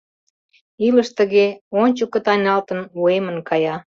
Илыш тыге, ончыко тайналтын, уэмын кая.